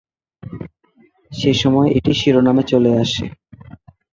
সেসময় এটি শিরোনামে চলে আসে।